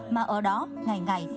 mà ở đó ngày ngày